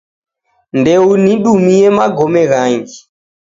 Ndeunidumie magome ghangi